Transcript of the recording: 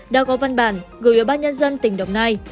đã có văn bản gửi ubnd tỉnh đồng nai